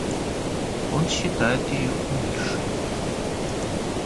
Он считает ее умершею.